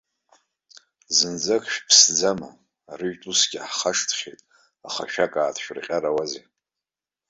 Зынӡак шәыԥсӡама, арыжәтә усгьы иаҳхашҭхьеит, аха ашәак ааҭшәырҟьарауазеи!